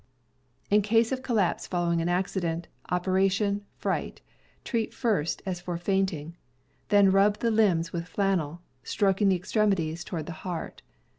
In case of collapse following an accident, operation, fright : treat first as for fainting. Then rub the limbs with „, flannel, stroking the extremities toward the heart.